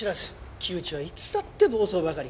木内はいつだって暴走ばかり。